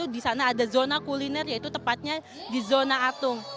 di sana ada zona kuliner yaitu tepatnya di zona atung